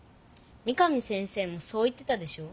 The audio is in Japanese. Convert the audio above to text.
三上先生もそう言ってたでしょ。